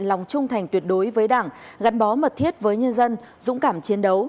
lòng trung thành tuyệt đối với đảng gắn bó mật thiết với nhân dân dũng cảm chiến đấu